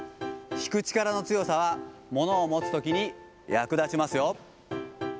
引く力の強さは物を持つときに役立ちますよ。